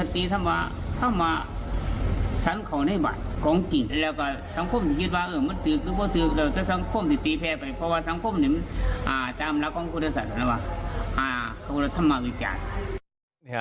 ฉันขอให้บ่ายของจริงแล้วก็สังคมที่คิดว่าเออมันตืกหรือเปล่าตืก